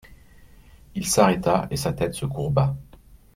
Il s'arrêta et sa tête se courba.